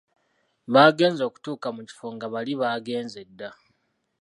Bagenze okutuuka mu kifo, nga bali baagenze dda.